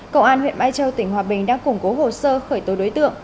công an huyện mai châu tỉnh hòa bình đang củng cố hồ sơ khởi tố đối tượng